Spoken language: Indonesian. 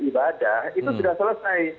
ibadah itu sudah selesai